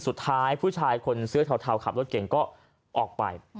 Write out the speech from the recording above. ผู้ชายคนเสื้อเทาขับรถเก่งก็ออกไป